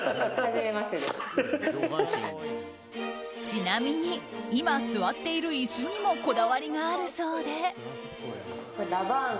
ちなみに今、座っている椅子にもこだわりがあるそうで。